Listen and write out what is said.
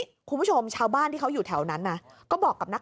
คุณผู้ชมชาวบ้านที่เขาอยู่แถวนั้นนะก็บอกกับนักข่าว